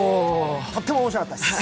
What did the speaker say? とっても面白かったです！